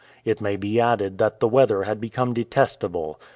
It may be added that the weather had become detestable.